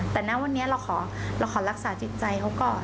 แต่ณวันนี้เราขอรักษาจิตใจเขาก่อน